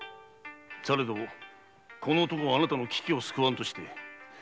されどこの男はあなたの危機を救わんとして。